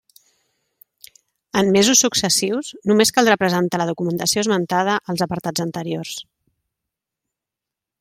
En mesos successius només caldrà presentar la documentació esmentada als apartats anteriors.